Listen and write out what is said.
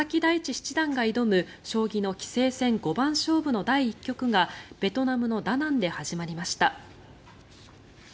七段が挑む将棋の棋聖戦五番勝負の第１局がベトナムのダナンで始まりました。